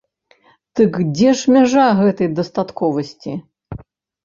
Дык дзе ж мяжа гэтае дастатковасці?